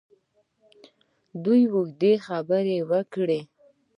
دوی اوږدې خبرې وکړې.